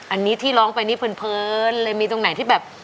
อันนี้ที่ร้องไปนี่เพลินเลยมีตรงไหนที่แบบ